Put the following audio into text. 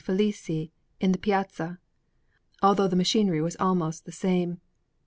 Felice in Piazza, although the machinery was almost the same.